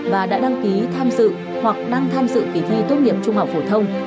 và đã đăng ký tham dự hoặc đang tham dự kỳ thi tốt nghiệp trung học phổ thông